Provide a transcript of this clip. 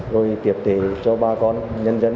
rồi tiệp thể cho ba con nhân dân trên địa bàn